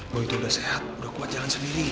mau itu udah sehat udah kuat jalan sendiri